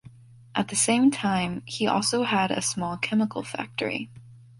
At the same time, he also had a small chemical factory.